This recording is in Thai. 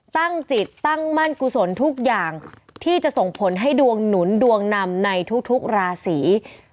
ตั้งจิตตั้งมั่นกุศลทุกอย่างที่จะส่งผลให้ดวงหนุนดวงนำในทุกราศี